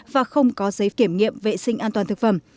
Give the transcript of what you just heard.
và không có giấy kiểm nghiệm vệ sinh an toàn thực phẩm